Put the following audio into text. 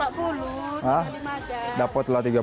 dapatlah rp tiga puluh sama kita